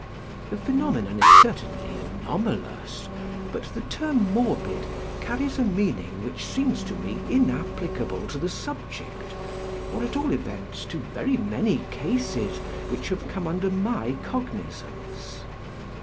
"The phenomenon is certainly anomalous; but the term morbid carries a meaning which seems to me inapplicable to the subject, or at all events to very many cases which have come under my cognisance.